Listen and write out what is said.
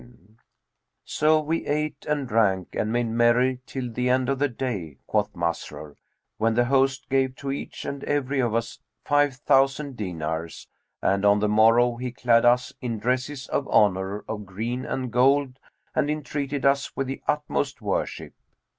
[FN#227] "So we ate and drank and made merry till the end of the day (quoth Masrur) when the host gave to each and every of us five thousand dinars, and on the morrow he clad us in dresses of honour of green and gold and entreated us with the utmost worship."